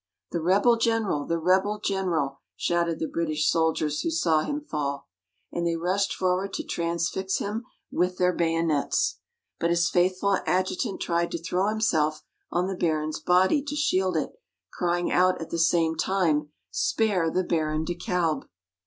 "The rebel General! the rebel General!" shouted the British soldiers who saw him fall. And they rushed forward to transfix him with their bayonets. But his faithful adjutant tried to throw himself on the Baron's body to shield it, crying out at the same time, "Spare the Baron de Kalb!"